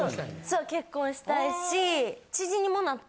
そう結婚したいし。